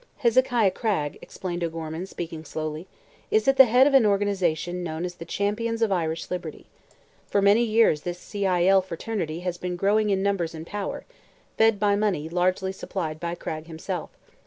"Hezekiah Cragg," explained O'Gorman, speaking slowly, "is at the head of an organization known as the 'Champions of Irish Liberty.' For many years this C. I. L. fraternity has been growing in numbers and power, fed by money largely supplied by Cragg himself.